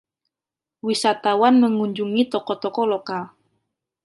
Wisatawan mengunjungi toko-toko lokal.